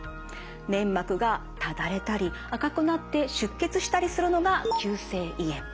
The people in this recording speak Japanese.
粘膜がただれたり赤くなって出血したりするのが急性胃炎。